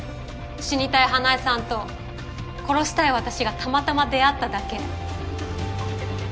死にたい花恵さんと殺したい私がたまたま出会っただけ。